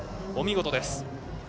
お見事です。